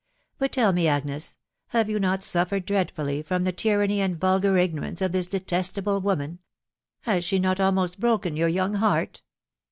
But tell me, Agnes, have you not suffered dreadfully from the tyranny and vulgar ignorance of this detestable woman ? Has she not almost broken your young heart